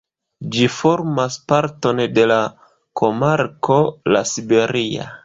Ĝi formas parton de la komarko La Siberia.